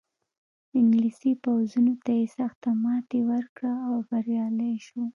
انګلیسي پوځونو ته یې سخته ماتې ورکړه او بریالی شو.